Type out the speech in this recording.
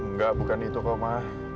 enggak bukan itu pak ma